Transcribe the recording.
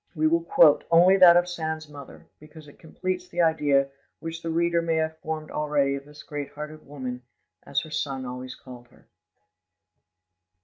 We will quote only that of Sand's mother, because it completes the idea which the reader may have formed already of this great hearted woman, as her son always calls her.